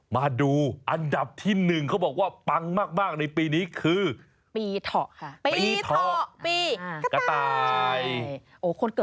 มาดูอันดับที่๑เขาบอกว่าปังมากในปีนี้คือ